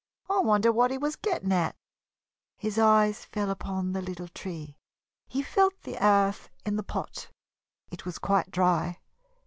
"I wonder what he was getting at?" His eyes fell upon the little tree. He felt the earth in the pot it was quite dry.